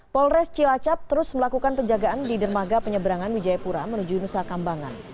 polres cilacap terus melakukan penjagaan di dermaga penyeberangan wijayapura menuju nusa kambangan